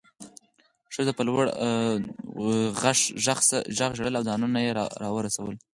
ښځو په لوړ غږ ژړل او ځانونه یې راورسول